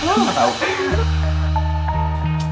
kenapa gak tau